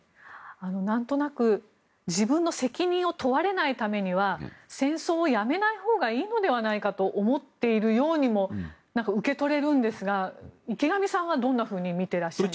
なんとなく自分の責任を問われないためには戦争をやめないほうがいいのではないかと思っているようにも受け取れるんですが池上さんはどんなふうに見ていらっしゃいますか。